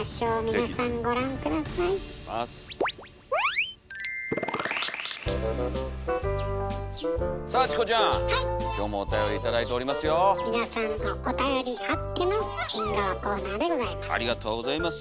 皆さんのおたよりあっての縁側コーナーでございます。